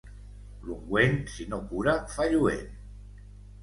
L'ungüent, si no cura, fa lluent.